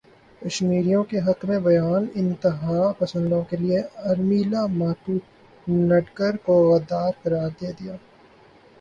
کشمیریوں کے حق میں بیان انتہا پسندوں نے ارمیلا ماٹونڈکر کو غدار قرار دے دیا